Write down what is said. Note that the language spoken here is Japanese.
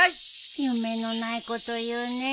夢のないこと言うね。